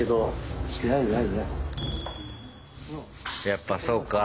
やっぱそうか。